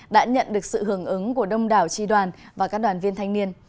đã nhận được sự hưởng ứng của đông đảo tri đoàn và các đoàn viên thanh niên